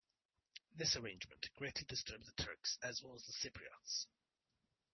This arrangement greatly disturbed the Turks as well as the Cypriots.